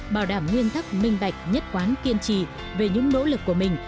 bảo đảm nguyên tắc minh bạch nhất quán kiên trì về những nỗ lực của mình